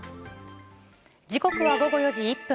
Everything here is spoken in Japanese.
時刻は午後４時１分。